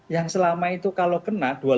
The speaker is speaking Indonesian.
yang selama itu kalau kena